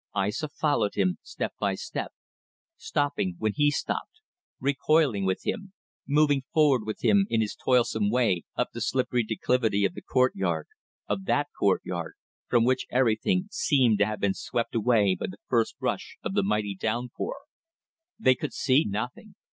Aissa followed him step by step, stopping when he stopped, recoiling with him, moving forward with him in his toilsome way up the slippery declivity of the courtyard, of that courtyard, from which everything seemed to have been swept away by the first rush of the mighty downpour. They could see nothing.